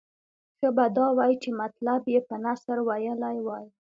ښه به دا وای چې مطلب یې په نثر ویلی وای.